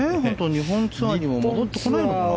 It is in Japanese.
日本ツアーにも戻ってこないのかな？